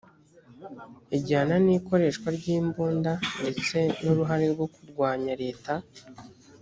ijyana n’ikoreshwa ry’imbunda ndetse n’uruhare rwo kurwanya leta